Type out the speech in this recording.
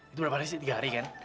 itu berapa hari sih tiga hari kan